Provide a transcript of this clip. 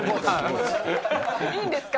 いいんですか？